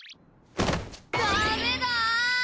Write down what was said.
ダメだ！